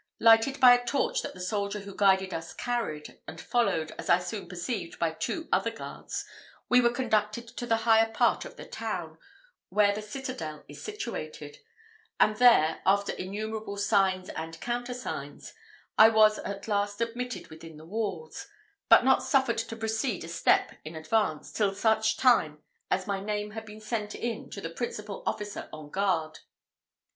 Lighted by a torch that the soldier who guided us carried, and followed, as I soon perceived, by two other guards, we were conducted to the higher part of the town, where the citadel is situated; and there, after innumerable signs and countersigns, I was at last admitted within the walls, but not suffered to proceed a step in advance, till such time as my name had been sent in to the principal officer on guard.